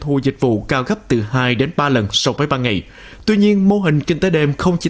thu dịch vụ cao gấp từ hai đến ba lần so với ban ngày tuy nhiên mô hình kinh tế đêm không chỉ